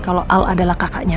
kalo al adalah kakaknya